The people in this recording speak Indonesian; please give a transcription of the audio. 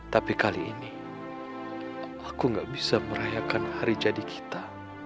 tapi kali ini aku gak bisa merayakan hari jadi kita